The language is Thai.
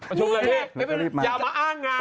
ประชุมเลยเฮ้อย่ามาอ้านงาน